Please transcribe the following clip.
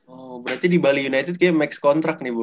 oh berarti di bali united kayaknya max contract nih bu